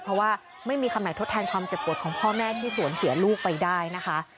เพราะว่าไม่มีคำไหนทดแทนความเจ็บปวดของพ่อแม่ที่สวนเสียลูกไปได้นะคะ